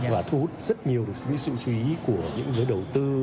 và thu hút rất nhiều sự chú ý của những giới đầu tư